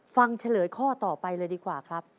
เฉลยข้อต่อไปเลยดีกว่าครับ